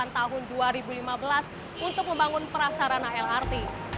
tahun dua ribu lima belas untuk membangun prasarana lrt